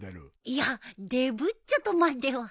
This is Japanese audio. いやでぶっちょとまでは。